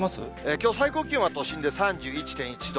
きょう、最高気温は都心で３１．１度。